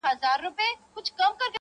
نه بنګښ او نه خو هم زه ولیزی یم